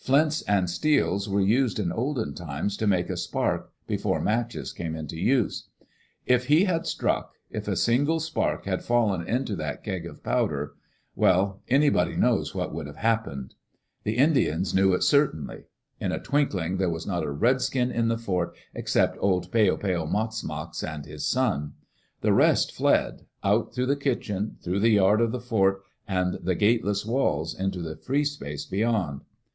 Flints and steels were used in olden times to make a spark, before matches came into use. If he had struck — if a single spark had fallen into Digitized by CjOOQ IC EARLY DAYS IN OLD OREGON that keg of powder — well, anybody knows what would have happened. The Indians knew it certainly. In a twinkling there was not a redskin in the fort except old Peo peo mox mox and his son. The rest fled — out through the kitchen, through the yard of the fort and the gateless walls into the free space beyond.